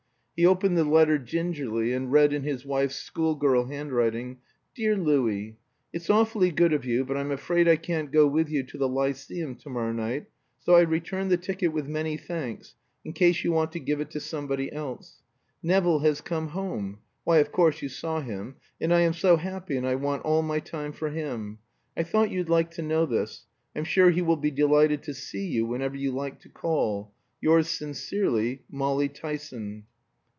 He opened the letter gingerly, and read in his wife's schoolgirl handwriting: "Dear Louis, It's awfully good of you but I'm afraid I can't go with you to the 'Lyceum' to morrow night so I return the ticket with many thanks, in case you want to give it to somebody else. Nevill has come home why of course you saw him and I am so happy and I want all my time for him. "I thought you'd like to know this. I'm sure he will be delighted to see you whenever you like to call. Yours sincerely, "Molly Tyson.